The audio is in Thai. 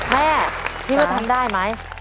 แม่พี่รู้สึกทำได้ไหม